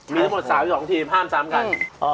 มีทั้งหมด๓๒ทีมห้ามซ้ำกัน